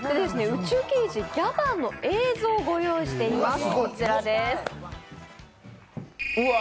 「宇宙刑事ギャバン」の映像をご用意しています。